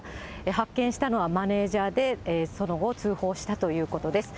発見したのはマネージャーで、その後、通報したということです。